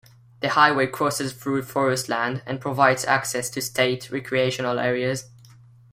The highway crosses through forest land and provides access to state recreational areas.